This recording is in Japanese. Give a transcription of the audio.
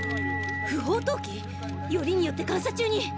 不法投棄⁉よりによって監査中に。